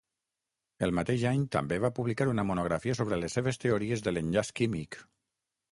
El mateix any també va publicar una monografia sobre les seves teories de l'enllaç químic.